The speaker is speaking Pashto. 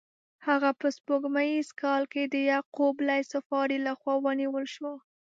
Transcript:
هغه په سپوږمیز کال کې د یعقوب لیث صفاري له خوا ونیول شو.